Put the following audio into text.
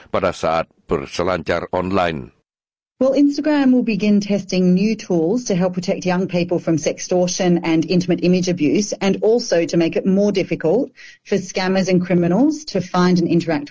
pada saat berselancar online